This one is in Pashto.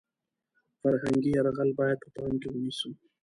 فرهنګي یرغل باید په پام کې ونیسو .